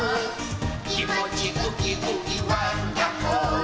「きもちウキウキワンダホー」